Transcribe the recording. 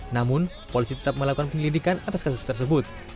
namun polisi tetap melakukan penyelidikan atas kasus tersebut